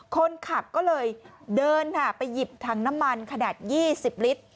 คนขับก็เลยเดินค่ะไปหยิบถังน้ำมันขนาด๒๐ลิตร